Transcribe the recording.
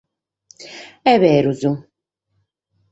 Est beru.